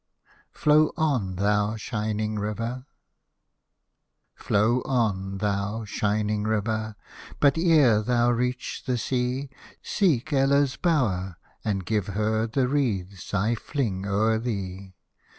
FLOW ON, THOU SHINING RIVER Flow on, thou shining river ; But, ere thou reach the sea, Seek Ella's bower, and give her The wreaths I fling o'er thee.